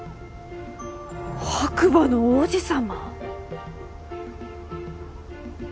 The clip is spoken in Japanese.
白馬の王子様！？